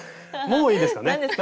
もういいですかね。